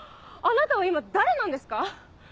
あなたは今誰なんですか？